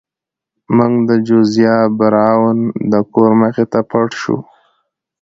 موږ د جوزیا براون د کور مخې ته پټ شو.